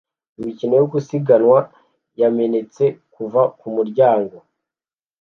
Imikino yo gusiganwa yamenetse kuva kumuryango